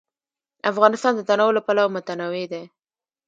افغانستان د تنوع له پلوه متنوع دی.